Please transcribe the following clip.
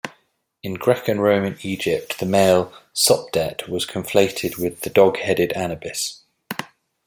In Greco-Roman Egypt, the male Sopdet was conflated with the dog-headed Anubis.